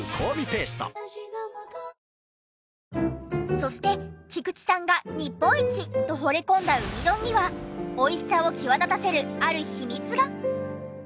そして菊池さんが日本一！とほれ込んだうに丼には美味しさを際立たせるある秘密が。